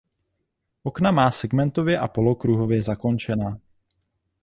Okna má segmentově a polokruhově zakončená.